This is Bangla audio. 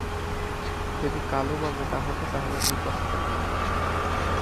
যদি কালো বা মোটা হতো তাহলে তুই পস্তাতি।